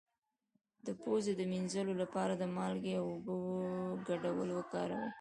د پوزې د مینځلو لپاره د مالګې او اوبو ګډول وکاروئ